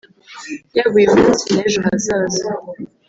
yaba uyu munsi n’ejo hazaza